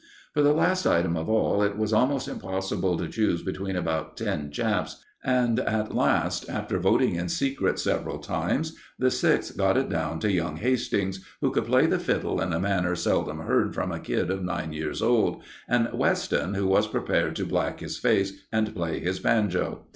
For the last item of all it was almost impossible to choose between about ten chaps, and at last, after voting in secret several times, the Sixth got it down to young Hastings, who could play the fiddle in a manner seldom heard from a kid of nine years old, and Weston, who was prepared to black his face and play his banjo.